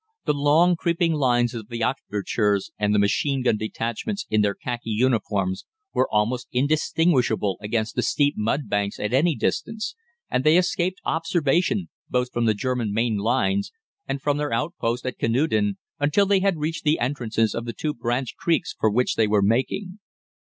The long creeping lines of the Oxfordshires and the machine gun detachments in their khaki uniforms were almost indistinguishable against the steep mud banks at any distance, and they escaped observation both from the German main lines and from their outpost at Canewdon until they had reached the entrances of the two branch creeks for which they were making.